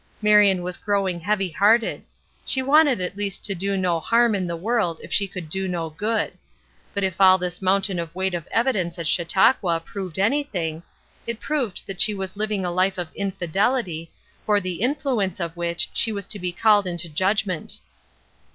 Marion was growing heavy hearted; she wanted at least to do no harm in the world if she could do no good. But if all this mountain weight of evidence at Chautauqua proved anything, it proved that she was living a life of infidelity, for the influence of which she was to be called into judgment.